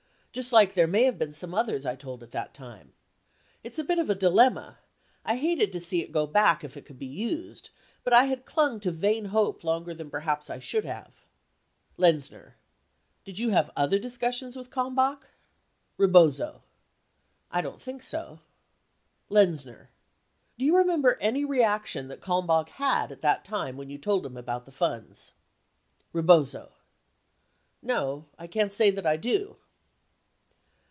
Just like there may have been some others I told at that time. It's a bit of a dilemma. I hated to see it go back if it could be used. But I had clung to vain hope longer than perhaps I should have. Lenzner. Did you have other discussions with Kalmbach ? Rebozo. I don't think so. Lenzner. Do you remember any reaction that Kalmbach had at that time when you told him about the funds? Rebozo. No. I can't say that I do.